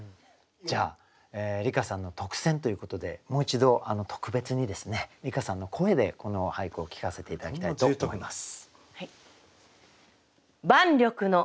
じゃあ梨香さんの特選ということでもう一度特別にですね梨香さんの声でこの俳句を聞かせて頂きたいと思います。